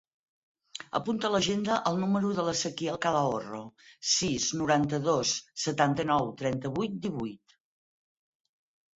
Apunta a l'agenda el número de l'Ezequiel Calahorro: sis, noranta-dos, setanta-nou, trenta-vuit, divuit.